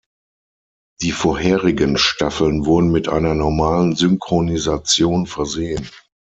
Die vorherigen Staffeln wurden mit einer normalen Synchronisation versehen.